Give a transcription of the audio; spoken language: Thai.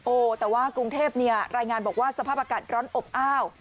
แต่ว่ากรุงเทพเนี่ยรายงานบอกว่าสภาพอากาศร้อนอบอ้าว